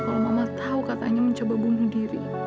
kalau mama tahu katanya mencoba bunuh diri